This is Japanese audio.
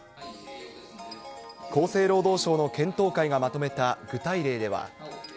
厚生労働省の検討会がまとめた具体例では。